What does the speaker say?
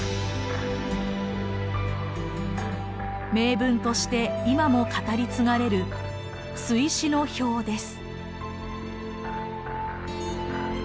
名文として今も語り継がれる「出師の表」です。